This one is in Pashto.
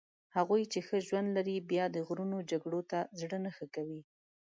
هغوی چې ښه ژوند لري بیا د غرونو جګړو ته زړه نه ښه کوي.